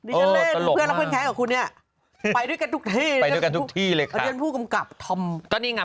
นี่จะเล่นเพื่อนเข้ากับคุณ